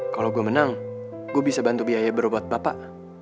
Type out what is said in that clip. kalau gue menang gue bisa bantu biaya berobat bapak